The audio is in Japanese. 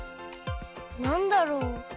なんだろう？